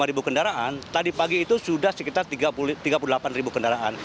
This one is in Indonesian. dua puluh ribu kendaraan tadi pagi itu sudah sekitar tiga puluh delapan ribu kendaraan